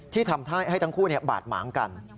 ที่ทำให้ทั้งคู่บาดหมางกัน